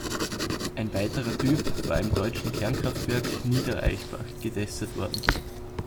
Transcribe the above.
Ein weiterer Typ war im deutschen Kernkraftwerk Niederaichbach getestet worden.